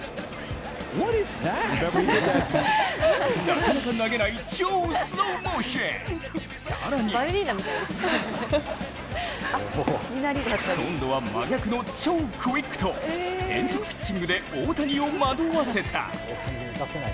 なかなか投げない超スローモーション、更に今度は真逆の超クイックと変則ピッチングで大谷を惑わせた。